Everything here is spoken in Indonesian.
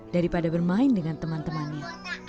daripada bermain dengan teman temannya